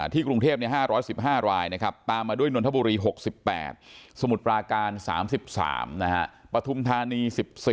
กรุงเทพ๕๑๕รายนะครับตามมาด้วยนนทบุรี๖๘สมุทรปราการ๓๓ปฐุมธานี๑๔